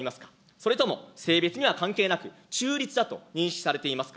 それとも性別には関係なく、中立だと認識されていますか。